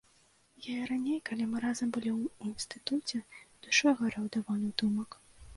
Я і раней, калі мы разам былі ў інстытуце, душой гарэў да вольных думак.